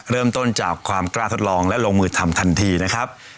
เริ่มต้นจากความกล้าทดลองและลงมือทำทันทีนะครับ